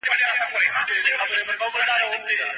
تاسو په خپل ذات کي پیاوړي یاست.